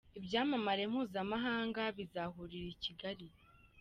ibyamamare mpuzamahanga bizahurira I Kigali